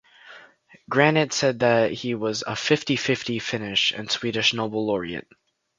Granit said that he was a "fifty-fifty" Finnish and Swedish Nobel laureate.